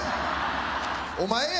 お前や！